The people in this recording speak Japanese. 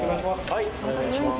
はいお願いします。